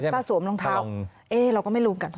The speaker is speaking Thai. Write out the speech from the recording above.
ถ้าสวมรองเท้าเราก็ไม่รู้กัน